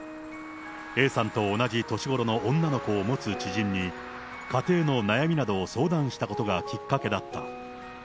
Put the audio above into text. Ａさんと同じ年頃の女の子を持つ知人に、家庭の悩みなどを相談したことがきっかけだった。